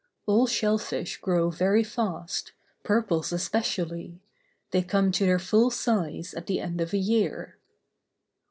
All shell fish grow very fast, purples especially; they come to their full size at the end of a year.